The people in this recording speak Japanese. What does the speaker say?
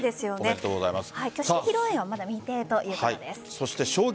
挙式、披露宴はまだ未定ということです。